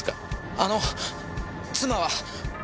あの妻は？